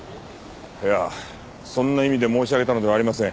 いやそんな意味で申し上げたのではありません。